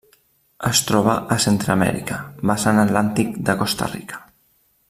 Es troba a Centreamèrica: vessant atlàntic de Costa Rica.